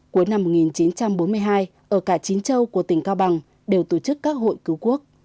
cuối năm một nghìn chín trăm bốn mươi hai ở cả chín châu của tỉnh cao bằng đều tổ chức các hội cứu quốc